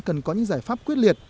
cần có những giải pháp quyết liệt